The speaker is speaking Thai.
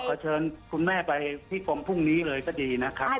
เชิญคุณแม่ไปที่กรมพรุ่งนี้เลยก็ดีนะครับ